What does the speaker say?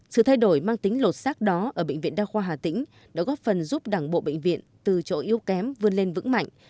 sự thay đổi mang tính lột xác đó ở bệnh viện đa khoa hà tĩnh đã góp phần giúp đảng bộ bệnh viện từ chỗ yếu kém vươn lên vững mạnh